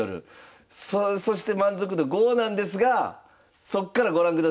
そして満足度５なんですがそっからご覧ください。